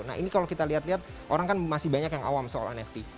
nah ini kalau kita lihat lihat orang kan masih banyak yang awam soal nft